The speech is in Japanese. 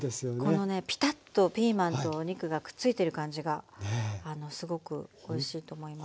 このねピタッとピーマンとお肉がくっついてる感じがあのすごくおいしいと思います。